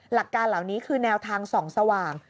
หลักการเหล่านี้คือแนวทางส่องสว่าง